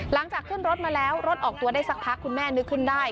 หลังจากขึ้นรถมาแล้วรถออกตัวได้สักพักคุณแม่นึกขึ้นได้